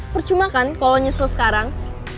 percuma kan kalo lo nyesel sekarang